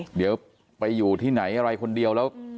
เดี๋ยวไปอยู่ที่ไหนอะไรคนเดียวแล้ว